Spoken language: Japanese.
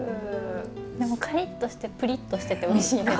でもカリッとしてプリッとしてておいしいです。